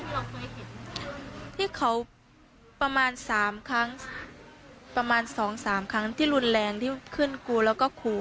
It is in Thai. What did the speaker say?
เราเคยเห็นที่เขาประมาณสามครั้งประมาณสองสามครั้งที่รุนแรงที่ขึ้นกูแล้วก็ครู